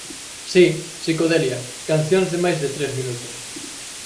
Si, psicodelia, cancións de máis de tres minutos.